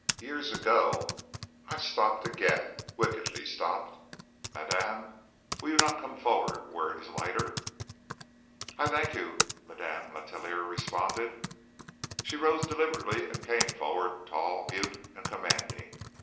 "Years ago " I stopped again, wickedly stopped. "Madame, will you not come forward where it is lighter?" "I thank you," Madame Letellier responded. She rose deliberately and came forward, tall, mute and commanding.